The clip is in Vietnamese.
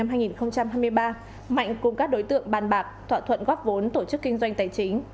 mạnh cùng các đối tượng bàn bạc thọa thuận góp vốn tổ chức kinh doanh tài chính